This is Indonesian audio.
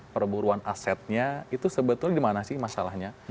perburuan asetnya itu sebetulnya dimana sih masalahnya